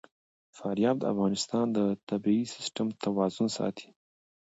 فاریاب د افغانستان د طبعي سیسټم توازن ساتي.